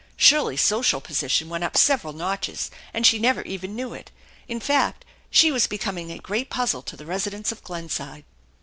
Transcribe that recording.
Shirley's social position went up several notches, and she never even knew it. In fact, she was be coming a great puzzle to the residents of Glenside.